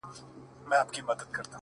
• خــو ســــمـدم ـ